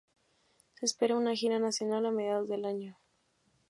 Se espera una gira nacional a mediados del año.